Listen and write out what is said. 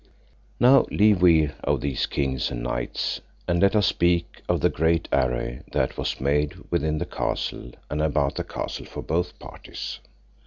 Now leave we of these kings and knights, and let us speak of the great array that was made within the castle and about the castle for both parties.